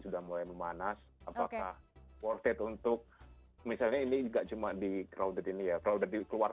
sudah mulai memanas apakah worth it untuk misalnya ini enggak cuma di crowded ini ya crowded keluar